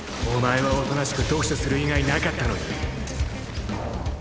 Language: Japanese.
お前はおとなしく読書する以外なかったのに。